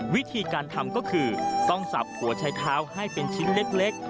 วิธีการทำก็คือต้องสับหัวใช้เท้าให้เป็นชิ้นเล็ก